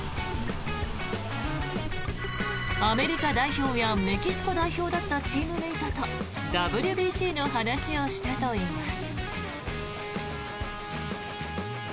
アメリカ代表やメキシコ代表だったチームメートとＷＢＣの話をしたといいます。